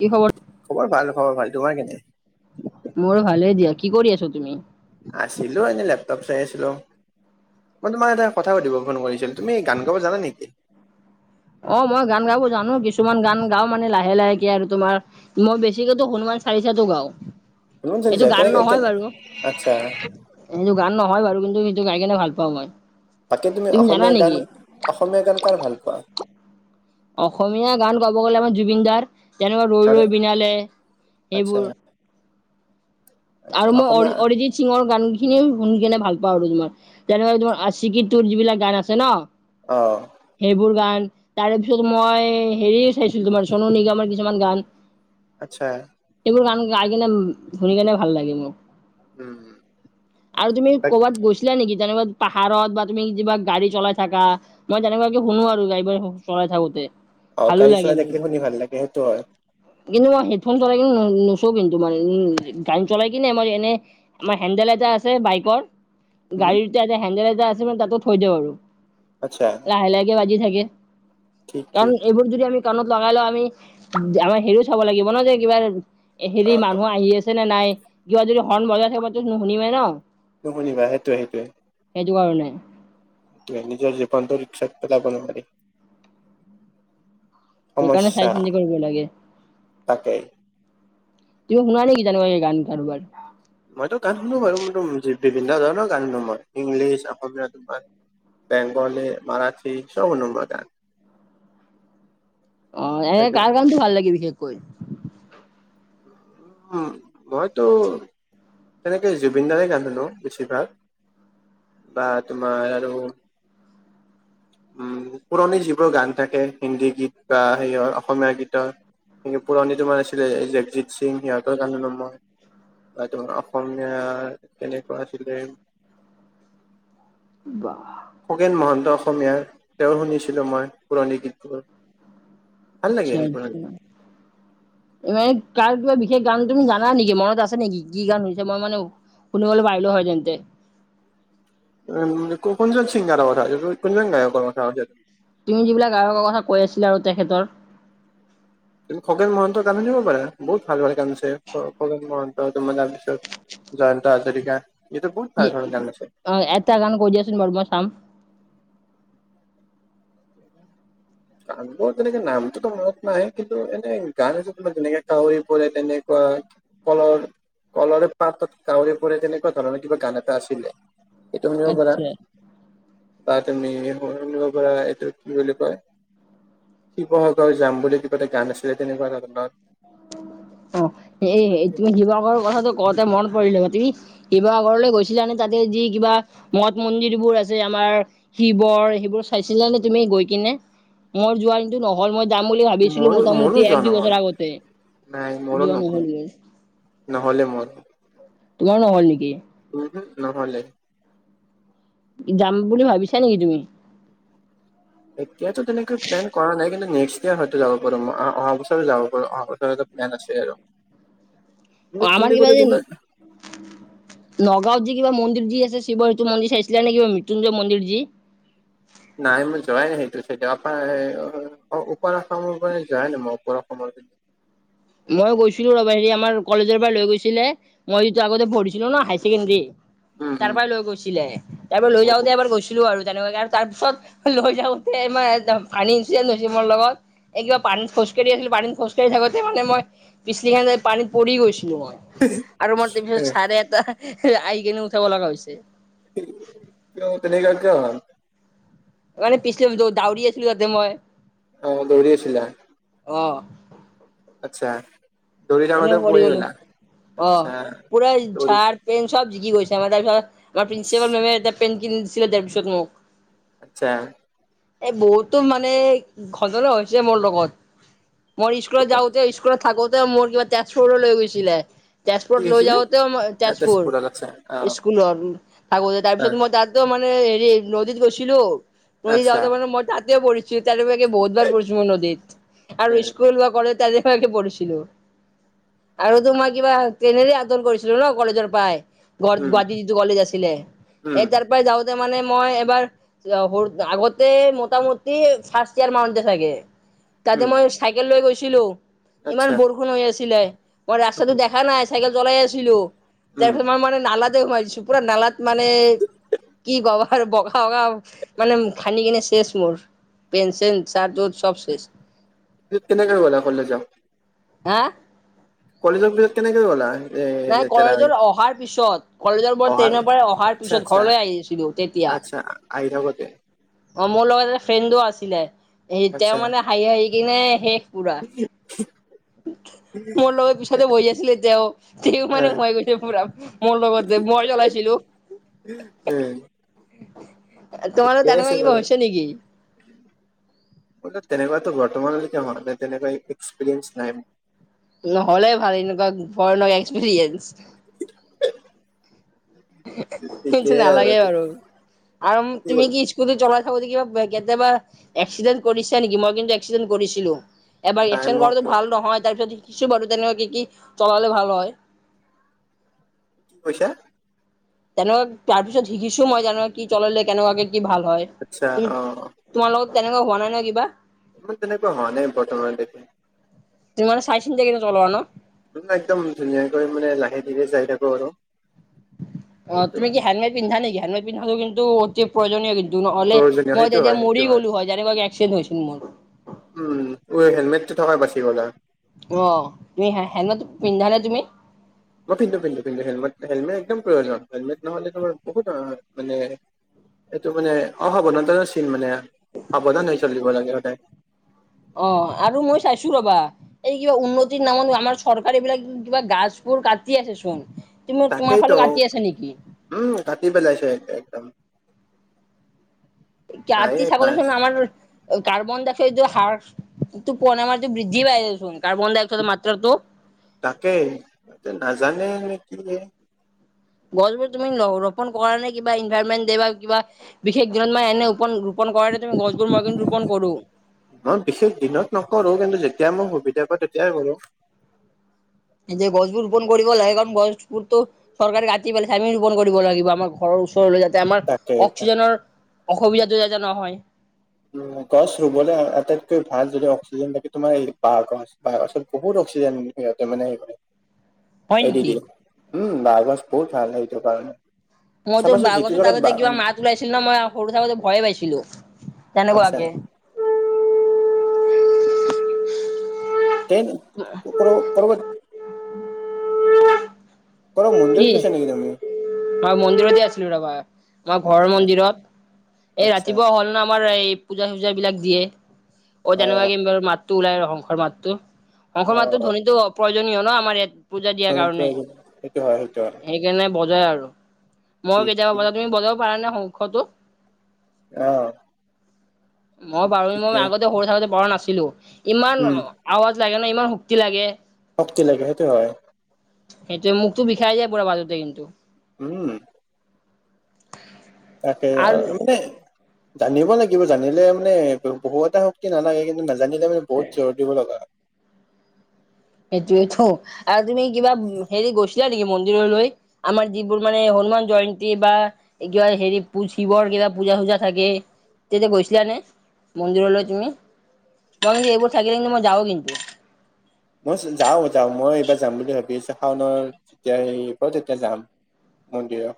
কি খবৰ। খবৰ ভাল খবৰ ভাল তোমাৰ কেনে। মোৰ ভালে দিয়া কি কৰি আছ তুমি, আছিলো এনে লেপটপ চাই আছিলো। মই তোমাৰ এটা কথা সোধিব ফোন কৰিছিল তুমি গান গাব জানা নেকি। অ মই গান গাব জানো কিছুমান গান গাও মানে লাহে লাহেকে আৰু তোমাৰ। মই বেছিকেটো হনুমান চালিচাটো গাও। শুনিব এইটো বিচাৰিছা গান কেনেকে নহয় কেনে বাৰু, আচ্ছা সেইটো গান নহয় বাৰু, কিন্তু সেইটো গাই কেনে ভাল পাওঁ মই। বাকী তুমি জানা অসমীয়া গান নেকি? অসমীয়া গান কাৰ ভাল পোৱা? অসমীয়া গান কব গ'লে মই জুবিন দাৰ তেনেকুৱা ৰৈ আৰু ৰৈ বিনালে আচ্ছা সেইবোৰ আচ্ছা আৰু মই অ অসমীয়া অৰিজিত সিঙৰ গান খিনি শুনি কেনে ভাল পাওঁ, আৰু তোমাৰ যেনেকে তোমাৰ আশিকি তোৰ যিবিলাক গান আছে ন অহ। সেইবোৰ গান তাৰে পিছত মই হেৰি চাইছিলো তোমাৰ চুনু নিগমৰ কিছুমান গান। আচ্ছা। এইবোৰ গান গাই কিনে শুনি কেনে ভাল লাগে মোৰ। উম আৰু তুমি তাক ক'ৰবাত গৈছিলা নেকি। যেনেকুৱা পাহাৰত বা তুমি কিবা গাড়ী চলাই থাকা মই তেনেকুৱাকে শুনো আৰু গাড়ী চলাই থাকোতে। অ ভালো গাড়ী লাগে চলাই মোৰ। থাকিলে শুনি ভাল লাগে সেইটো হয়। কিন্তু মই হেডফোন চলাই কিনে নোচো কিন্তু মানে উ গাড়ী চলাই কিনে আমাৰ এনে আমাৰ হেণ্ডেল এটা আছে বাইকৰ। উম গাড়ীৰ এটা হেণ্ডেল এটা যে আছে মানে তাতে থৈ দিও আৰু আচ্ছা। লাহে লাহেকে বাজি থাকে। ঠিক কাৰণ ঠিক এইবোৰ যদি আমি কাণত লগাই লওঁ, আমি আমাৰ হেৰিও চাব লাগিব ন যে কিবা অ হেৰি অ মানুহ আহি আছে নে নাই কিবা যদি হৰ্ণ বজাই থাকিবাতো নুশুনিমেই ন। নুশুনিবা সেইটোৱেই সেইটোৱেই। সেইটো কাৰণে। [unintelligible] ৰিক্সাত পেলাব নোৱাৰি। সেইকাৰণে সমস্যা চাই চিন্তি কৰিব লাগে। তাকেই তুমি শুনা নেকি জানুৱাৰীৰ গান কাৰোবাৰ। মইতো গান শুনো বাৰু, মইটো বিভিন্ন ধৰণৰ গান শুনো মই, ইংলিছ অসমীয়া তোমাৰ বেংগলী, মাৰাঠী চব শুনো মই গান। অ', এনে কাৰ গানতো ভাল লাগে বিশেষকৈ? উম উম', মইতো তেনেকে জুবিন দাৰে গান শুনো বেছিভাগ। বা তোমাৰ আৰু [inaudible] উম, পুৰণি যিবোৰ গান থাকে, হিন্দী গীত বা সেইয়ৰ অসমীয়া গীতৰ এনেকে পুৰণি তোমাৰ আছিলে যে আৰ্জিত সিং সিহঁতৰ গান শুনো মই বা তোমাৰ অসমীয়া কেনেকুৱা আছিলে বাহ। খগেন মহন্ত অসমীয়াৰ তেওঁ শুনিছিলোঁ মই পুৰণি গীতবোৰ। ভাল লাগে আচ্ছা সেইবোৰ শুনি আচ্ছা। এ মানে কাৰ কিবা বিশেষ গান তুমি জানা নেকি মনত আছে নেকি? কি গান হৈছে মই মানে শুনিবলে পাৰিলো হয় তেন্তে। উম', কোনজন ছিংগাৰৰ কথা কৈছা তুমি কোনজন গায়ককৰ কথা কৈছা তুমি যিবিলাক গায়ক কথা কৈ আছিলা আৰু তেখেতৰ তুমি খগেন মহন্তৰ গান শুনিব পাৰা, বহুত ভাল ভাল গান আছে খগেন মহন ত' তোমাৰ তাৰ পিছত জয়ন্ত হাজৰিকা এইটো বহুত কি ভাল ধৰণৰ গান আছে। অ', এটা গান কৈ দিয়াচোন বাৰু মই চাম। কেটা গান বোৰ তেনেকে নামটোতো মনত নাই, কিন্তু এনেই গান হিচাপে যেনেকে কাৱৰী পৰে তেনেকুৱা কলৰ কলৰে পাতাত কাউৰে পৰে তেনেকুৱা ধৰণৰ কিবা গান এটা আছিলে এইটো শুনিব পৰা আচ্ছা বা তুমি‌ শুনিব পাৰা এইটো কি বুলি কয় শিৱসাগৰ যাম বুলি কিবা এটা গান আছিলে তেনেকুৱা ধৰণৰ অ এই তুমি শিৱাগৰৰ কথাটো কওঁতে মন পৰিলে তুমি শিৱসাগৰ লৈ গৈছিলা নে তাতে যি কিবা মঠ মন্দিৰবোৰ আছে আমাৰ শিবৰ সেইবোৰ চাইছিলা নে তুমি গৈ কিনে মই যোৱা টো নহল মই যাম বুলি ভাবিছিলো মোৰো মোটামুটি মোৰো এক যোৱা দুই নহ'ল বছৰ আগত তে নাই মোৰো যোৱা নহল গে নহ'লে মোৰ তোমাৰো নহ'ল নেকি? উমহো, নহ'লে। যাম বুলি ভাবিছা নেকি তুমি? এতিয়াতো তেনেকে প্লেন কৰা নাই কিন্তু নেক্সট ইয়াৰ হয়তো যাব পাৰো মই অ অহা বছৰো যাব পাৰো অহা বছৰে বেয়া নাছিলে আৰু তুমি তুমি আমাৰ কিবা গ'লে যেন তুমি নগাঁওত যি কিবা মন্দিৰ যি আছে শিৱ সেইটো মন্দিৰ চাইছিলা নেকি মৃত্যুঞ্জয় মন্দিৰ যি নাই মই যোৱাই নাই সেইটো চাইডে অপাৰ ওপাৰ অসমৰ পৰাই যোৱাই নাই মই ওপৰ অসমৰ মই গৈছিলো ৰবি হেৰি আমাৰ কলেজৰ পৰা লৈ গৈছিলে মই যেতিয়া আগতে পঢ়িছিলো না হাই চেকেণ্ডেৰী তাৰ উম পৰা লৈ গৈছিলে তাৰ পৰা লৈ উম যাওঁতে এবাৰ গৈছিলো আৰু তেনেকুৱাকে আৰু তাৰ পিছত লৈ যাওঁতোৰ এ মানে পানী এচিদেন হৈছে মোৰ লগত এই কিবা পানী খোজকাঢ়ি আছিলো পানীত খোজকাঢ় থাকো মানে মই পিছলি কিনে পানীত পৰি গৈছিলো মই আৰু মই তাৰপিছত এ চাৰে এটা আহি কিনে উঠাব লগীয়া হৈছে। কিয় তেনে কিয় হ'ল মানে পিছল দৌউৰি আছিলো তাতে মই অ দৌৰি আছিলা অ- আচ্ছা। দৌৰি এনে থাকোতে পৰি গলো গ'লা অ আচ্ছা পুৰা দৌৰি ঝাৰ পেন চব জিকি গৈছে আমাৰ তাৰপিছত আমাৰ ইছ, প্ৰিন্ঞ্চিপাল মেমে এটা পেন কিনি দিছিলে তাৰপিছত মোক আচ্ছা। এই বহুতো মানে ঘটনা হৈছে। মোৰ লগত মই স্কুলত ক'ত যাওঁতে স্কুলত থাকোতে মোৰ কিবা তেজপুৰ লৈ গৈছিলে। কি তেজপুৰত লৈ হৈছিলে যাওঁতেওই আ তেজপুৰ তেজপুৰত আচ্ছা অ স্কুলত থাকোতে অ তাৰপিছত মই তাত। ত মানে হেৰি নদীত, গৈছিলো। নদী আচ্ছা যাওঁতে মানে মই তাতেও প়িছো তাৰ বকেহুত বাৰ পৰিছো মই নদীত। এ আৰু স্কুল বা কলেজ তেনেকুৱা কে পৰিছিলো। অ আৰু তো মই কিবা ট্ৰেইনেৰে আদন কৰিছিলো ন কলেজৰ পৰাই। উম গুৱাহাটী যিটো কলেজ আছিলে এ উম তাৰ পৰাই যাওঁ। মানে মই এবাৰ আগতে মোটামুটি ফাৰ্ষ্ট ইয়াৰ মা চাগে। তাতে উম, মই চাইকেল লৈ গৈছিলো। ইমান আচ্ছা। বৰষুণ হৈ আছিলে। মই উম, ৰাস্তাটো দেখা নাই চাইকেল চলাই আছিলো তাৰ উম। পিছত মই মানে নালাত। সোমাই দিছো পুৰা নালাত মানে কি গবাৰ বগা -বগা মানে খানি কিনে শেষ মোৰ। পেন- চান চাট -উট চব শেষ কেনেকে গ'লে কলেজ যাওঁ হা কলেজৰ পিছত কেনেকে গ'লা। এ নাই লেতেৰা হৈ? কলেজৰ অহাৰ পিছত কলেজৰ পৰাৰ অহা ট্ৰেইনৰ পৰা অহাৰ আচ্ছা পিছত আচ্ছা ঘৰলৈ আহি আছিলো তেতিয়া। আচ্ছা আহি থাকোতে অ মোৰ লগত এটা ফ্ৰেণ্ডো আছিলে। তেওঁ মানে হাঁহি হাঁহি কিনে শেষ- পুৰা। উ মোৰ লগত পিছতে বহি আছিলে। এতিয়া তে এ মানে হৈ গৈছে পুৰা- মোৰ লগত যে মই জ্বলাইছিলো। উম এ এই তোমাৰ [unintelligible] ব তেনেকুৱাতো বৰ্তমানলৈকে ম তেনেকুৱা এক্সপিৰিয়েঞ্চ নাই। নহ'লে ভাল এনেকুৱা গোফৰলয় এক্সপেৰিয়েঞ্চ কিন্তু ঠিকেই আৰু নালাগে বাৰু কি আৰু তুমি হ'ল কি? কিন্ত চলাই থাকোতে কিবা কেতিয়াবা এক্সিডেণ্ট কৰিছে নেকি মই কিন্তু এক্সিডেণ্ট কৰিছিলো এবাৰ নাই এক্চেন মই কৰাটো ক- ভাল নহয় তাৰিছত শিকিছো বাৰু তেনেকুৱা কি কি চলালে ভাল হয়। কি কৈছা? তেনেকুৱা তাৰ পিছত শিকিছো মই জান কি চললে কেনেকুৱাকে কি ভাল হয়। আচ্ছা তুমি অ অ তোমাৰ লগত তেনেকুৱা হোৱা নাই নাই কিবা। ইমান তেনেকোৱা হোৱা নাই বৰ্তমানলৈকে তুমি মানে চাই চিন্তি কিন্তু লোৱা ন মানে একদম ধুনীয়াকৈ মানে লাহে ধীৰে যাই থাকো আৰু অ সেইটো তুমি কি হেলমেট পিন্ধা নেকি হেলমেট পিন্ধাটো কিন্তু অতি প্ৰয়োজনীয় কিন্তু নহ'লে প্ৰয়োজনীয় মই সেইটো তেতিয়া হয় সেইটো মৰি গ'লো হয় যেনেকোৱাকে এক্সিডেণ্ট হৈছিল মোৰ উম অ হেলমেটতো থকাৰ কাৰণে বাচি গ'লা অ তুমি হেলমেটতো পিন্ধানে তুমি মই পিন্ধো পিন্ধো পিন্ধো হেলমেট হেলমে একদম প্ৰয়োজন হেলমেট নহ'লে তোমাৰ বহুত মানে এইটো মানে অসাৱধানতাৰ চিন মানে সাৱধান হৈ চলিব লাগে সদায় অ আৰু মই চাইছো ৰবা এই কিবা উন্নতিৰ নামন আমাৰ চৰকাৰী বিলাক কিবা গাছবোৰ কাটি আছে চোন তুমি তোমাৰ তাকেইতো ফালত কাটি আছে নেকি উম কাটি পেলাইছে একদম কাটি নায়ে থাকোতে নাই চোন আমাৰ কাৰ্বন ডাই অক্সাইডৰ হাৰটো প নমাৰটো বৃদ্ধি পাই দেচোন কাৰ্বন ডাই অকসাইডৰ মাত্ৰাটো তাকে তে নাজানেই নে কি নে গছবোৰ তুমি ৰোপন কৰা নে কিবা ইনভাইৰমেণ্ট দে বা কিবা বিশেষ দিনত মানে এনে ৰোপন ৰোপন কৰাতে তুমি গছবোৰ মই কিন্তু ৰোপন কৰো মই বিশেষ দিনত নকৰো কিন্তু যেতিয়া মই সুবিধা পাও তেতিয়াই কৰো যে গছবোৰ ৰোপন কৰিব লাগে কাৰণ গছবোৰতো চৰকাৰে কাটি পেলাইছে আমি ৰোপন কৰিব লাগিব আমাক ঘৰৰ ওচৰলৈ যাতে আমাৰ তাকে তাকে। অক্সিজেনৰ অসুবিধাটো যাতে নহয় উ গছ ৰুবলৈ আটাইতকৈ ভাল যদি অক্সিজেন থাকে তোমাৰ এই বাঁহ গছ বাহ গছত বহুত অক্সিজেন সিহঁতে মানে সেই ক উ এদিগি উম বাঁহগছ বহুত ভাল ল এইটো কাৰণে মইতো বাঁহগছত আগতে কিবা মাত ওলাইছিল ন মই সৰু থাকোতে ভয়ে পাইছিলো তেনেকোৱাকে দেন ওপৰৰ কল মন্দিৰ কি গৈছ নেকি তুমি মই মন্দিৰতে আছিলো ৰবা আমাৰ ঘৰৰ আচ্ছা মন্দিৰত এই আচ্ছা ৰাতিপুৱা হ'ল ন আমাৰ এই পূজা চূজা বিলাক দিয়ে অ তেনেকোৱাকে বাৰু মাতটো ওলাই শংসৰ মাতটো শংসৰ অ মাতটো ধ্বনিতো অ প্ৰয়োজনীয় ন আমাৰ ইয়াত পূজা দিয়াৰ সেইটো কাৰণে হয় সেইটো হয় সেইকাৰণে বজাই আৰু মইয়ো ঠিক কেতিয়াবা ঠিক বজাই তুমি বজাব পাৰা নে শংখটো অ মই পাৰু মই ঠিকে আগতে সৰু থাকোতে পৰা নাছিলো ইমান উম আৱাজ লাগে ন ইমান শক্তি লাগে শক্তি লাগে সেইটো হয় সেইটোৱে মুখতো বিষাই যায় পুৰা মাজতে কিন্তু উম তাকে আৰু মানে জানিব লাগিব জানিলে মানে বহু এটা শক্তি নালাগে কিন্তু নাজানিলে মানে বহুত জোৰ দিব লগা সেইটোৱেটো আৰু তুমি কিবা হেৰি গৈছিলা নেকি মন্দিৰলৈ আমাৰ যিবোৰ মানে হনুমান জয়ন্তী বা কিবা হেৰি পুইছে শিৱৰ কিবা পূজা চূজা থাকে তেতিয়া গৈছিলানে মন্দিৰলৈ তুমি মই কিন্তু এইবোৰ থাকিলে কিন্তু মই যাও কিন্তু মই যাও যাও মই এইবাৰ যাম বুলি ভাবি আছো, শাওনৰ তেতিয়া হেৰি ক তেতিয়া যাম। অ দিয়া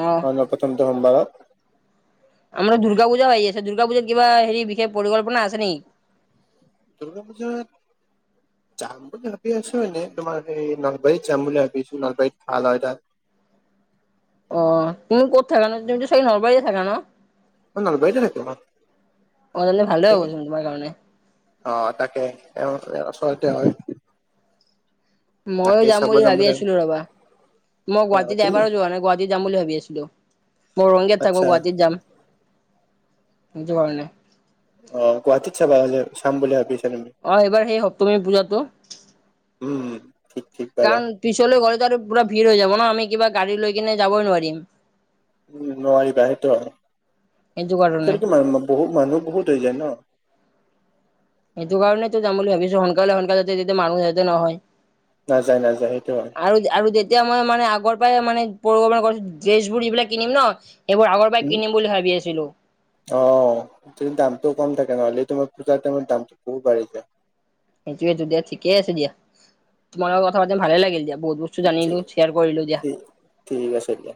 অ'। প্ৰথমটো সোমবাৰত। আমাৰ দুৰ্গা পূজা হৈ আছে দুৰ্গা পূজাৰ কিবা হেৰি বিশেষ পৰিকল্পনা আছে নেকি? দুৰ্গা পূজাত যাম বুলি ভাবি আছো এনেই তোমাৰ সেই নলবাৰীত যাম বুলি ভাবি আছো নলবাৰীত ভাল হয় তাত। অ তুমি ক'ত থাকা ন তুমিতো চৈল নলবাৰীত থাকা ন। মই নলবাৰীতে থাকো ন অজনে ভালে সেইকাৰণে হ'বচোন তোমাৰ কাৰণে। অ তাকে তেওঁ ওচৰতে হয়। ময়ো যাম বুলি ভাবি আছিলো ৰবা। মই অ গুৱাহাটীত তুমি এবাৰো যোৱা নাই গুৱাহাটী যাম বুলি ভাবি আছিলো। মই ৰঙগীয়াত থাকো আচ্ছা গুৱাহাটীত যাম। [unintelligible] অ গুৱাহাটীত চাবা হ'লে চাম বুলি ভাবিছা তুমি। অ এইবাৰ সেই সপ্তমী পূজাটো। উম ঠিক বাৰু কাৰণ পিছলৈ গ'লেটো আৰু পুৰা ভিৰ হৈ যাব ন আমি কিবা গাড়ী লৈ কিনে যাবই নোৱাৰিম। উ নোৱাৰিবা সেইটো অ, সেইটো কাৰণে [unintelligible] বহু মানুহ বহুত হ যায় ন। সেইটো কাৰণে তো যাম বুলি ভাবিছো সোনকালে সোনকালে তেতিয়া মানুহ যতে নহয়। নাযায় নাযায় সেইটো হয়। আৰু আৰু তেতিয়া মই মানে আগৰ পাই মানে পৰকপ্লনা কৰিছো ড্ৰেছ বোৰ ইবিলাক কিনিম ন এইবোৰ আগৰ বা উম কিনিম বুলি ভাবি আছিলো। অ যে দামটো কম থাকে নহ'লে তোমাৰ পূজাৰ টাইমত দামটো বহুত বাঢ়ি যায়। সেইটোৱেটো ডে ঠিকে আছে দিয়া, তোমাৰ লগত কথা পাতিম ভালে লাগিল দিয়া বহুত বস্তু জানিলো শ্বেয়াৰ কৰিলো দিয়া [unintelligible] ঠিক আছে দিয়া।